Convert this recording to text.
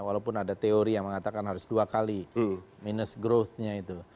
walaupun ada teori yang mengatakan harus dua kali minus growth nya itu